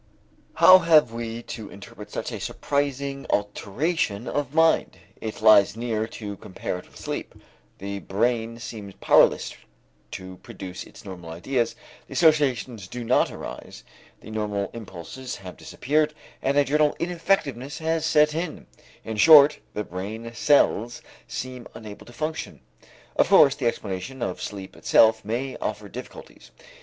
How have we to interpret such a surprising alteration of mind? It lies near to compare it with sleep. The brain seems powerless to produce its normal ideas, the associations do not arise, the normal impulses have disappeared and a general ineffectiveness has set in; in short, the brain cells seem unable to function. Of course, the explanation of sleep itself may offer difficulties.